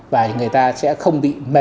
và người ta sẽ không bị mệt